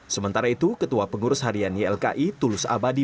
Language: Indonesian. sementara itu ketua pengurus harian ylki tulus abadi